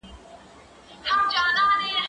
زه له سهاره د کتابتون کتابونه لوستل کوم؟!